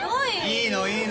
いいのいいの。